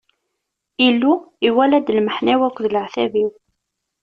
Illu iwala-d lmeḥna-w akked leɛtab-iw.